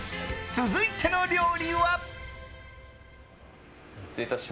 続いての料理は。